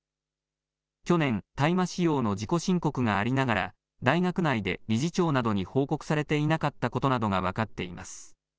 去年、大麻使用の自己申告がありながら大学内で理事長などに報告されていなかったことなどが分かっています。